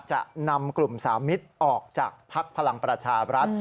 จะนำกลุ่มสามิตรออกจากภักดิ์พลังประชาบรัฐ